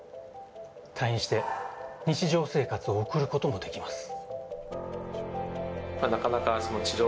退院して日常生活を送ることもできます。